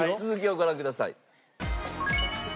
続きをご覧ください。